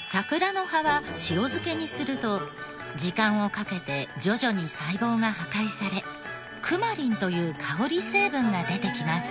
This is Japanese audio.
桜の葉は塩漬けにすると時間をかけて徐々に細胞が破壊されクマリンという香り成分が出てきます。